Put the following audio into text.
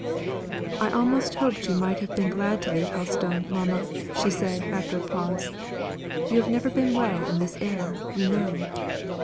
"I almost hoped you might be glad to leave Helstone, mamma," said she, after a pause. "You have never been well in this air, you know."